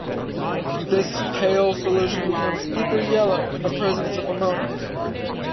This pale solution becomes deeper yellow in the presence of ammonia.